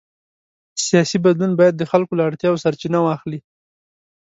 سیاسي بدلون باید د خلکو له اړتیاوو سرچینه واخلي